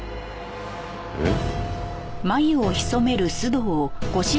えっ？